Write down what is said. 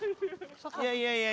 いやいやいやいや。